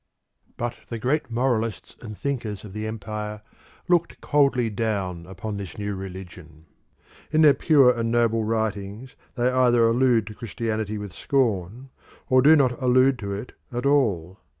But the great moralists and thinkers of the empire looked coldly down upon this new religion. In their pure and noble writings they either allude to Christianity with scorn or do not allude to it at all.